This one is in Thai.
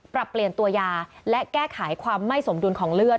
ปรับเปลี่ยนตัวยาและแก้ไขความไม่สมดุลของเลือด